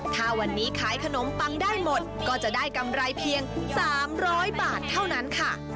ถ้าวันนี้ขายขนมปังได้หมดก็จะได้กำไรเพียง๓๐๐บาทเท่านั้นค่ะ